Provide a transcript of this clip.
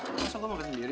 kenapa gue makan sendiri